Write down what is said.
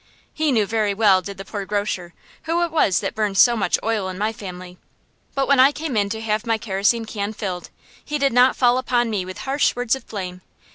He knew very well, did the poor grocer, who it was that burned so much oil in my family; but when I came in to have my kerosene can filled, he did not fall upon me with harsh words of blame.